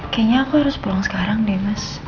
kayaknya aku harus pulang sekarang deh mas